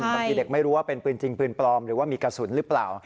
บางทีเด็กไม่รู้ว่าเป็นปืนจริงปืนปลอมหรือว่ามีกระสุนหรือเปล่า